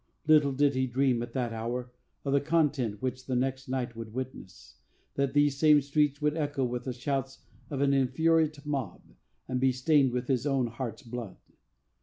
Little did he dream, at that hour, of the contest which the next night would witness; that these same streets would echo with the shouts of an infuriate mob, and be stained with his own heart's blood.